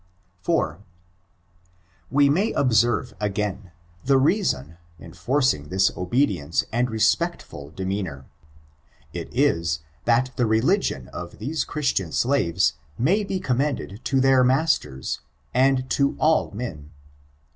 4. We may observe, again, the reason, enforcing this obedience and respectful demeanor. It is, that the religion of diese Christian slaves may be commended to their masters, and to all men.